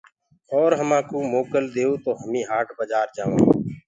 اور همآ ڪو موڪل ديئو تو همي هآٽ بآجآر جآوانٚ۔